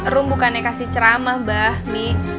rum bukannya kasih ceramah mbak